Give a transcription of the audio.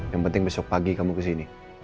yang penting besok pagi kamu ke sini